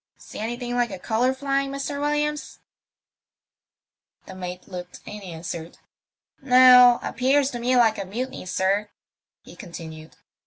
See anything like a colour flying, Mr. WiUiams ?" The mate looked and answered, " No. Appears to me like a mutiny, sir," he continued.